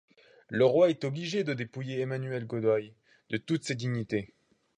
Le roi est obligé de dépouiller Emmanuel Godoy de toutes ses dignités.